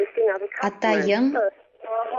— Атайың...